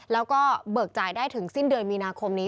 แล้วก็เบิกจ่ายได้ถึงสิ้นเดือนมีนาคมนี้